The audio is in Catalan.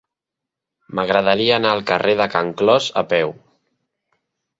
M'agradaria anar al carrer de Can Clos a peu.